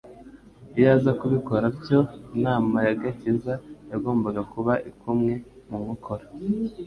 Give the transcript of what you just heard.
Iyo aza kubikora atyo, inama y'agakiza yagombaga kuba ikomwe mu nkokora.